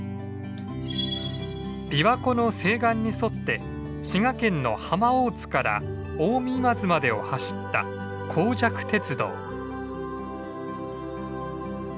琵琶湖の西岸に沿って滋賀県の浜大津から近江今津までを走った江若鉄道。